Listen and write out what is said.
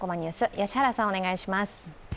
良原さん、お願いします。